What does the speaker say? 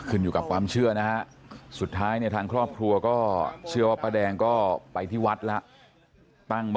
อยู่กับความเชื่อนะฮะสุดท้ายเนี่ยทางครอบครัวก็เชื่อว่าป้าแดงก็ไปที่วัดแล้ว